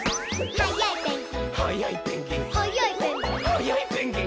「はっやいペンギン」